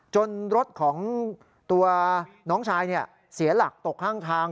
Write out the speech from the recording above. รถของตัวน้องชายเสียหลักตกข้างทาง